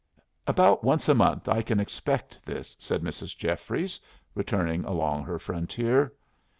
"About once a month I can expect this," said Mrs. Jeffries, returning along her frontier.